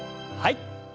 はい。